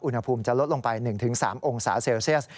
อุณหภูมิจะลดลงไป๑๓องศาเซลเซียส